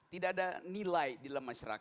tidak ada nilai di dalam masyarakat